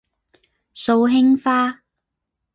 素兴花